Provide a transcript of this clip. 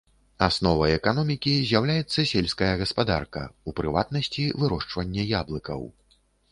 Асновай эканомікі з'яўляецца сельская гаспадарка, у прыватнасці вырошчванне яблыкаў.